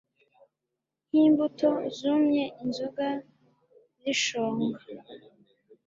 nkimbuto zumye inzoga zishonga